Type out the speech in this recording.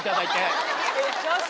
よし！